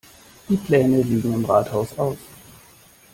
Die Pläne liegen im Rathaus aus.